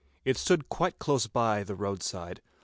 It stood quite close by the roadside.